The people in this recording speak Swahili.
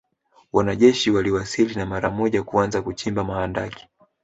Wanajeshi waliwasili na mara moja kuanza kuchimba mahandaki